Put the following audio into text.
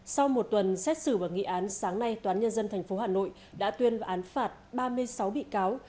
sau một tuần xét xử và nghị án sáng nay toán nhân dân tp hà nội đã tuyên vào án phạt ba mươi sáu bị cáo